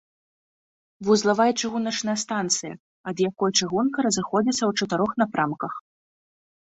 Вузлавая чыгуначная станцыя, ад якой чыгунка разыходзіцца ў чатырох напрамках.